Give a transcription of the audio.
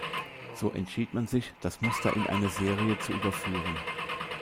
So entschied man sich, das Muster in eine Serie zu überführen.